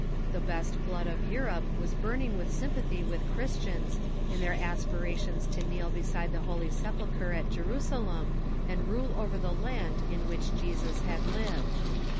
Tlie best blood of Eui'ope was burning with sympathy with Chris tians in their aspirations to kneel beside the Holy Sepulchre at Jerusalem and rule over the land in which Jesus had lived.